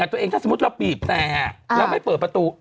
แต่ตัวเองถ้าสมมุติเราบีบแต่เราไม่เปิดประตู